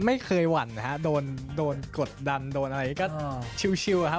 ไม่เคยหวั่นนะฮะโดนโดนกดดันโดนอะไรก็ชิวอะครับ